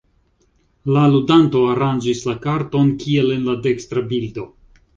La ludanto aranĝis la karton kiel en la dekstra bildo.